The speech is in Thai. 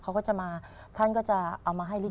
เขาก็จะมาท่านก็จะเอามาให้รีบ